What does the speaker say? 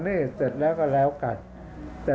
ภาคอีสานแห้งแรง